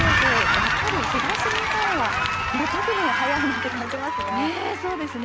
やっぱり東日本は特に早いなって感じますね。